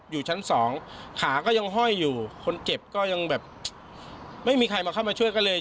อยู่ชั้นสองขาก็ยังห้อยอยู่คนเจ็บก็ยังแบบไม่มีใครมาเข้ามาช่วยก็เลย